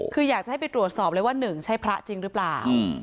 คืออยากจะให้ไปตรวจสอบเลยว่าหนึ่งใช่พระจริงหรือเปล่า